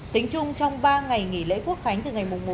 tính chung trong ba ngày nghỉ lễ quốc khánh